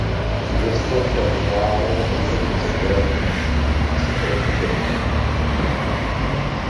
Město však známé obchodním sektorem a sektorem služeb.